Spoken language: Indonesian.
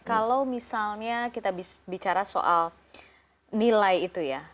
kalau misalnya kita bicara soal nilai itu ya